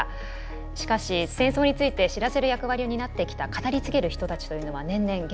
しかし戦争について知らせる役割を担ってきた語り継げる人たちというのは年々減少しています。